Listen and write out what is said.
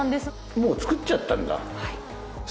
もう作っちゃったんだ。